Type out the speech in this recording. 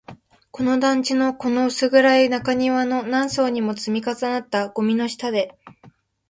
この団地の、この薄暗い中庭の、何層にも積み重なったゴミの下で